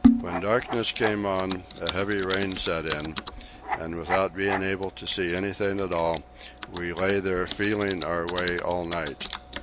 When darkness came on, a heavy rain set in, and without being able to see anything at all, we lay there feeling our way all night.